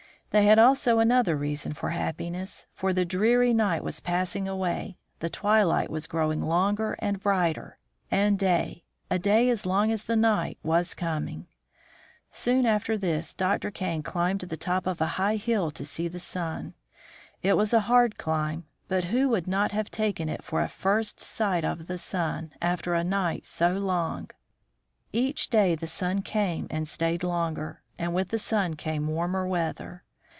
They had also another reason for hap piness, for the dreary night was passing away, the twilight was growing longer and brighter, and day — a day as long as the night — was coming. Soon after this Dr. Kane climbed to the top of a high hill to see the sun. It was a hard climb, but who would not have taken it for a first sight of the sun, after a night so long ? Each day the sun came and stayed longer, and with the sun came warmer weather.